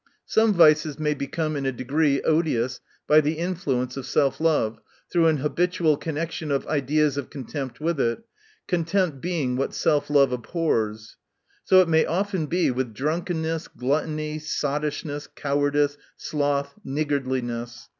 . Some vices may become in a degree odious by the influence of self love, through an habitual connection of ideas rf contempt with it ; contempt beir..o THE NATURE OF VIRTUE. 285 wnat self love abhors. So i* m?y often be with drunkenness, gluttony, sottish ness, cowardice, sloth, niggardliness.